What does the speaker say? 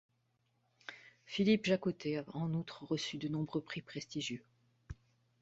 Philippe Jaccottet a en outre reçu de nombreux prix prestigieux.